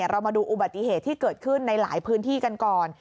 เรามาดูอุบัติเหตุที่เกิดขึ้นในหลายพื้นที่กันก่อน